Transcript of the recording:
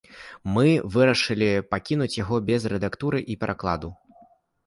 Мы вырашылі пакінуць яго без рэдактуры і перакладу.